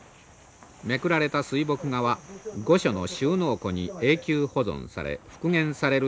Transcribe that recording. めくられた水墨画は御所の収納庫に永久保存され復元される